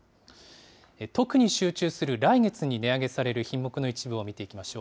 特に集中する来月に値上げされる品目の一部を見ていきましょう。